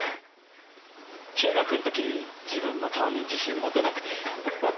中学んとき自分の顔に自信持てなくて。